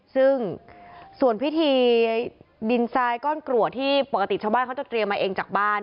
ซึ่งส่วนพิธีดินทรายก้อนกรัวที่ปกติชาวบ้านเขาจะเตรียมมาเองจากบ้าน